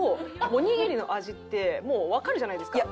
おにぎりの味ってもうわかるじゃないですか。